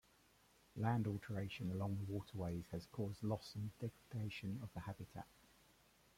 Land alteration along the waterways has caused loss and degradation of the habitat.